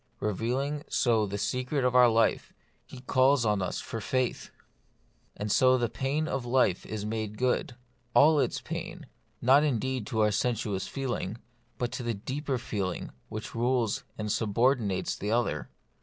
Revealing so the secret of our life, He calls on us for faith. And so the pain of life is made good — all its pain ; not indeed to our sensuous feeling, but to that deeper feeling which rules and subordinates the other.